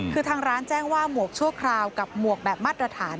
คือทางร้านแจ้งว่าหมวกชั่วคราวกับหมวกแบบมาตรฐาน